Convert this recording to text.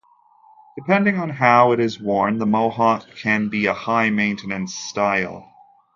Depending on how it is worn, the mohawk can be a high-maintenance style.